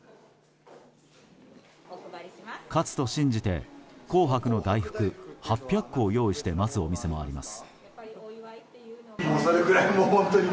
勝つと信じて紅白の大福８００個を用意して待つお店もあります。